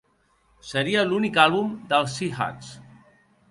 Seria l'únic àlbum dels Sea Hags.